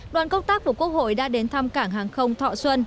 đoàn công tác của quốc hội đã đến thăm cảng hàng không thọ xuân